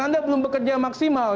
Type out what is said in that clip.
anda belum bekerja maksimal